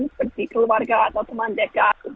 seperti keluarga atau teman dekat